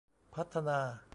พัฒนา